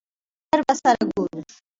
ژر به سره ګورو !